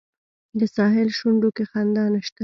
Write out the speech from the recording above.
د ساحل شونډو کې خندا نشته